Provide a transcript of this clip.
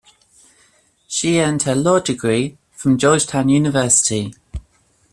She earned her law degree from Georgetown University.